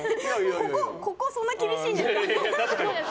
ここそんなに厳しいんですか？